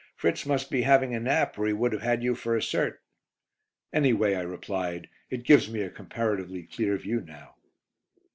Fritz must be having a nap, or he would have had you for a cert." "Anyway," I replied, "it gives me a comparatively clear view now."